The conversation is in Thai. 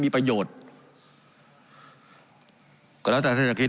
การปรับปรุงทางพื้นฐานสนามบิน